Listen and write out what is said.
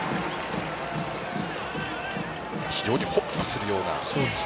非常にホップするような。